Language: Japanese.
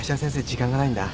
時間がないんだ。